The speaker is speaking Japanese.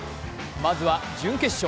まずは準決勝。